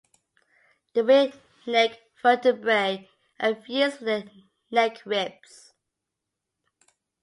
The rear neck vertebrae are fused with their neck ribs.